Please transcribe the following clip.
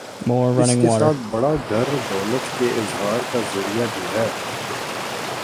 اس کے ساتھ بڑا گھر دولت کے اظہار کا ذریعہ بھی ہے۔